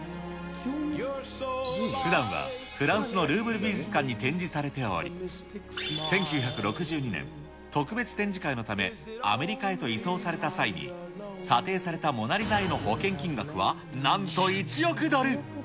ふだんはフランスのルーブル美術館に展示されており、１９６２年、特別展示会のためアメリカへと移送された際に、査定されたモナ・リザへの保険金額は、なんと１億ドル。